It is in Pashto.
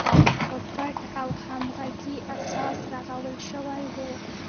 پر پټ او همغږي اساس رغول شوې وه.